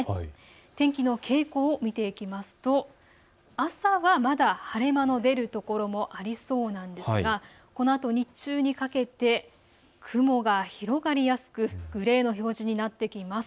天気の傾向を見ていきますと朝はまだ晴れ間の出る所もありそうなんですがこのあと日中にかけて雲が広がりやすく、グレーの表示になってきます。